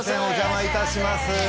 お邪魔いたします